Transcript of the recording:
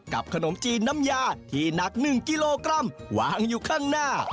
ขนมจีนน้ำยาที่หนัก๑กิโลกรัมวางอยู่ข้างหน้า